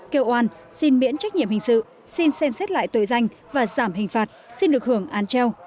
kêu oan xin miễn trách nhiệm hình sự xin xem xét lại tội danh và giảm hình phạt xin được hưởng án treo